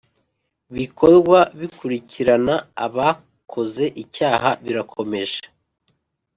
bikorwa bikurikirana aba akoze icyaha birakomeje